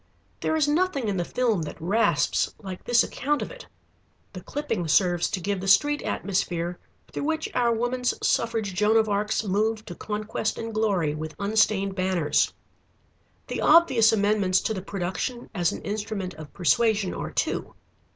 There is nothing in the film that rasps like this account of it. The clipping serves to give the street atmosphere through which our Woman's Suffrage Joan of Arcs move to conquest and glory with unstained banners. The obvious amendments to the production as an instrument of persuasion are two.